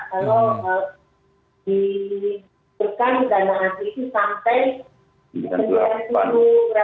kalau diberikan dana haji itu sampai enam puluh tujuh dua juta